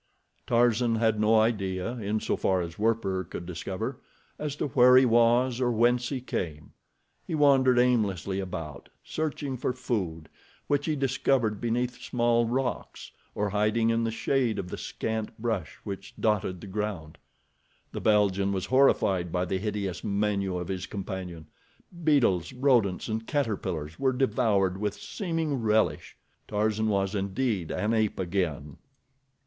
Tarzan had no idea, in so far as Werper could discover, as to where he was or whence he came. He wandered aimlessly about, searching for food, which he discovered beneath small rocks, or hiding in the shade of the scant brush which dotted the ground. The Belgian was horrified by the hideous menu of his companion. Beetles, rodents and caterpillars were devoured with seeming relish. Tarzan was indeed an ape again.